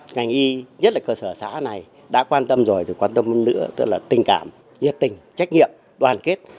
ngành y nhất là cơ sở xá này đã quan tâm rồi thì quan tâm nữa tức là tình cảm nhiệt tình trách nhiệm đoàn kết